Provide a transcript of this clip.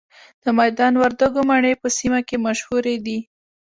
د میدان وردګو مڼې په سیمه کې مشهورې دي.